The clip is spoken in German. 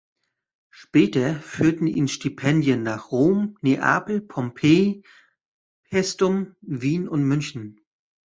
Später führten ihn Stipendien nach Rom, Neapel, Pompeji, Paestum, Wien und München.